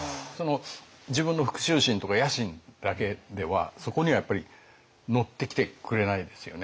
自分の復しゅう心とか野心だけではそこにはやっぱり乗ってきてくれないですよね。